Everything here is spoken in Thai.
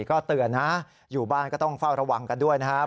ก็เตือนนะอยู่บ้านก็ต้องเฝ้าระวังกันด้วยนะครับ